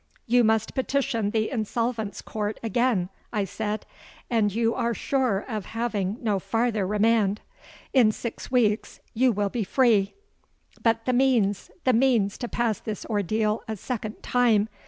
'You must petition the Insolvents' Court again,' I said; 'and you are sure of having no farther remand. In six weeks you will be free.'—'But the means—the means to pass this ordeal a second time!'